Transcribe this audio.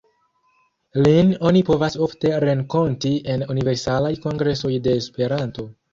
Lin oni povas ofte renkonti en Universalaj Kongresoj de Esperanto.